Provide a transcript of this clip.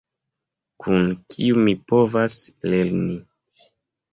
Kun kiu mi povas lerni